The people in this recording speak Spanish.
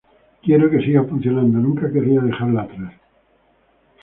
Quiero que siga funcionando, nunca querría dejarla atrás.